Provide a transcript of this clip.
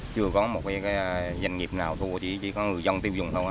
chưa có một cái doanh nghiệp nào thu hoạch chỉ có người dân tiêu dùng thôi